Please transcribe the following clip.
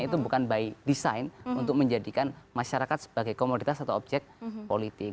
itu bukan by design untuk menjadikan masyarakat sebagai komoditas atau objek politik